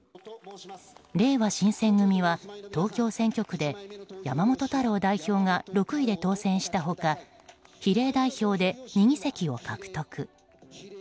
れいわ新選組は東京選挙区で山本太郎代表が６位で当選した他比例代表で２議席を獲得。